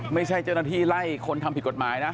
ไม่ใช่เจ้าหน้าที่ไล่คนทำผิดกฎหมายนะ